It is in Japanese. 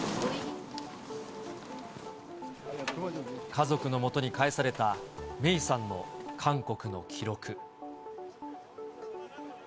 家族のもとに返された芽生さんの韓国の記録。